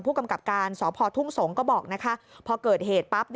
ผู้กำกับการสพทุ่งสงศ์ก็บอกนะคะพอเกิดเหตุปั๊บ